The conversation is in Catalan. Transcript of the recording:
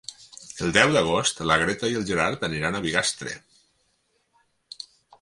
El deu d'agost na Greta i en Gerard aniran a Bigastre.